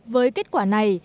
với kết quả này